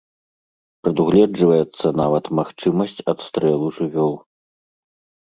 Прадугледжваецца нават магчымасць адстрэлу жывёл.